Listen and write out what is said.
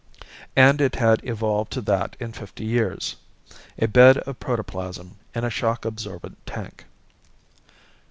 And it had evolved to that in fifty years. A bed of protoplasm in a shock absorbent tank.